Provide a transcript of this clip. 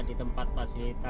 tetap nyampirin mereka